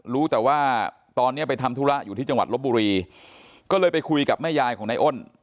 รู้แต่ว่าตอนนี้ไปทำธุระอยู่ที่จังหวัดลบบุรีก็เลยไปคุยกับแม่ยายของนายอ้น